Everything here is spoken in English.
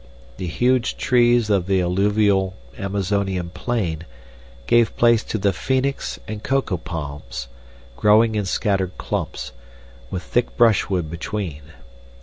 The huge trees of the alluvial Amazonian plain gave place to the Phoenix and coco palms, growing in scattered clumps, with thick brushwood between.